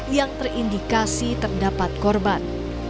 yang terindikasi terdapat korban